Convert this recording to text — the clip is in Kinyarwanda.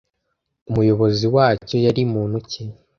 Umuyobozi wacyo yari muntu ki